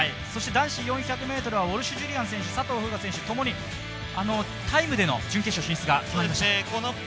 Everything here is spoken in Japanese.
男子４００ｍはウォルシュ・ジュリアン選手佐藤風雅選手ともに、タイムでの準決勝進出が決まりました。